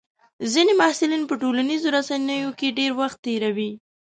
ځینې محصلین په ټولنیزو رسنیو کې ډېر وخت تېروي.